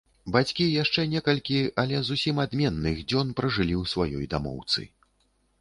Бацькі яшчэ некалькі, але зусім адменных, дзён пражылі ў сваёй дамоўцы.